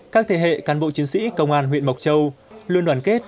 các thế hệ cán bộ chiến sĩ công an huyện mộc châu luôn đoàn kết